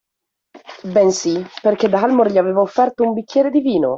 Bensì perché Dalmor gli aveva offerto un bicchiere di vino